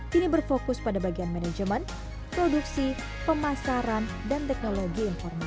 kini berfokus pada bagian manajemen produksi pemasaran dan teknologi informasi